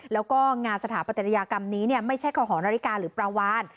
แล้วก็งานสถาปัตยากรรมนี้ไม่ใช่กหอนาฬิกาหรือปลาวาน